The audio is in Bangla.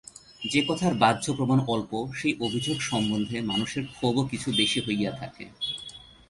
যে কথার বাহ্য প্রমাণ অল্প সেই অভিযোগ সম্বন্ধে মানুষের ক্ষোভও কিছু বেশি হইয়া থাকে।